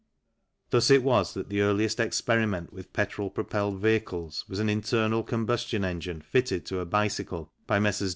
Thus it was that the earliest experiment with petrol propelled vehicles was an internal combustion engine fitted to a bicycle by Messrs.